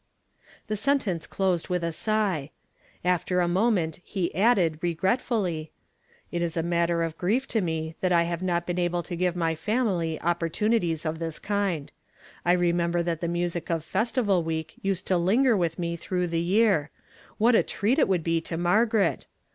The sentence closed with a sigh. After a mo ment he added, regretfully :" It is a matter of grief to me, that I have not been able to give my family opportunities of this kind. I i ememlxn that the music of Festival Week used to linger with me tln ough the year. What a treat it would be to Margaret